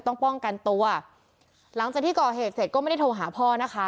ต้องป้องกันตัวหลังจากที่ก่อเหตุเสร็จก็ไม่ได้โทรหาพ่อนะคะ